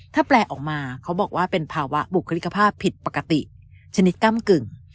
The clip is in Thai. ถ้าแปลออกมาเขาบอกว่าเป็นภาวะบุคลิกภาพผิดปกติชนิดก้ำกึ่ง